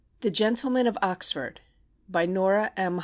THE GENTLEMEN OF OXFORD NORAH M.